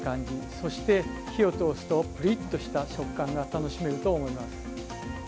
そして、火を通すとプリッとした食感が楽しめると思います。